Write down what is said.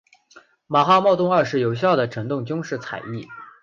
马哈茂德二世有效地整顿军事采邑。